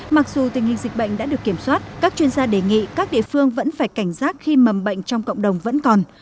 mặc dù tình hình dịch bệnh đã được kiểm soát các chuyên gia đề nghị các địa phương vẫn phải cảnh giác khi mầm bệnh trong cộng đồng vẫn còn